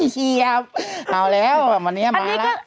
เชียร์เอาแล้ววันนี้มาแล้ว